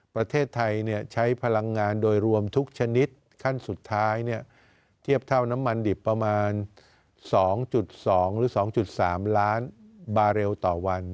ประเทศไทยใช้พลังงานโดยรวมทุกชนิดขั้นสุดท้ายเทียบเท่าน้ำมันดิบประมาณ๒๒หรือ๒๓ล้านบาเรลต่อวัน